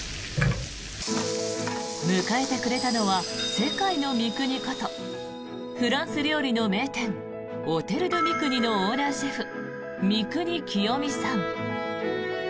迎えてくれたのは世界のミクニことフランス料理の名店オテル・ドゥ・ミクニのオーナーシェフ三國清三さん。